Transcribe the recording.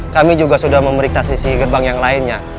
kami juga sudah memeriksa sisi gerbang yang lainnya